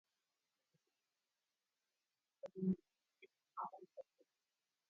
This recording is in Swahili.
Baba ni mkali kumshinda mama